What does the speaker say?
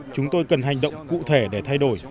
chúng tôi cần hành động cụ thể để thay đổi